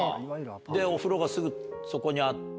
お風呂がすぐそこにあって。